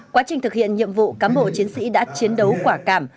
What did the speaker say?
quá trình thực hiện nhiệm vụ cám bộ chiến sĩ đã chiến đấu quả cảm